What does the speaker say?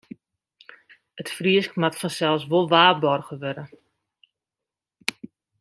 It Frysk moat fansels wol waarboarge wurde.